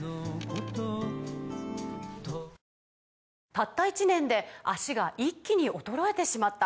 「たった１年で脚が一気に衰えてしまった」